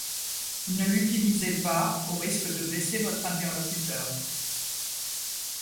Ne l'utilisez pas, au risque de blesser votre interlocuteur.